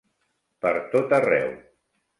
Per tot arreu.